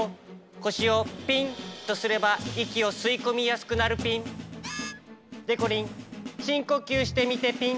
こしをピンとすればいきをすいこみやすくなるピン。でこりんしんこきゅうしてみてピン。